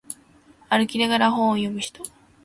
歩きながら本を読む人